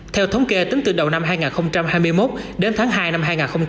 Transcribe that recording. theo thống kê tính từ đầu năm hai nghìn hai mươi một đến tháng hai năm hai nghìn hai mươi